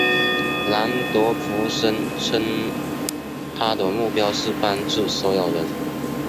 兰德福声称他的目标是帮助所有人。